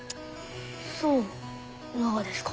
そうながですか。